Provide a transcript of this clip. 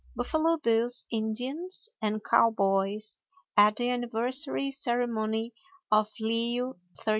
BUFFALO BILL'S INDIANS AND COWBOYS AT THE ANNIVERSARY CEREMONY OF LEO XIII.